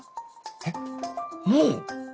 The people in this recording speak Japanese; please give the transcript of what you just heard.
えっもう？